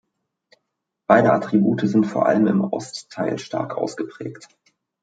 Beide Attribute sind vor allem im Ostteil stark ausgeprägt.